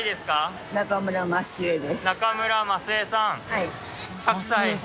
はい。